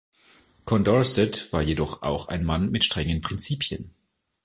Condorcet war jedoch auch ein Mann mit strengen Prinzipien.